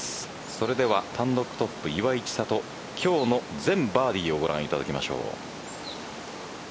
それでは単独トップ・岩井千怜今日の全バーディーをご覧いただきましょう。